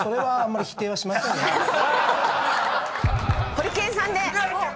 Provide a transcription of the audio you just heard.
ホリケンさんで！